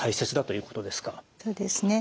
そうですね。